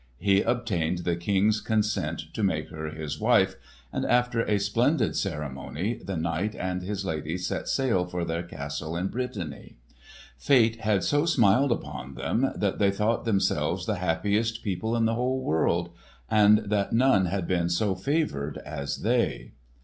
He obtained the King's consent to make her his wife; and after a splendid ceremony the knight and his lady set sail for their castle in Brittany. Fate had so smiled upon them, that they thought themselves the happiest people in the whole world, and that none had been so favoured as they.